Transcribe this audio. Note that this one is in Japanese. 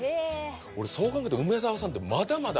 そう考えると梅沢さんってまだまだ。